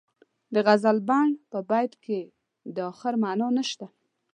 د غزلبڼ په بیت کې د اخر معنا نشته.